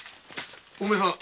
お前さん。